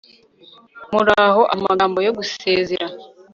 muraho amagambo yo gusezera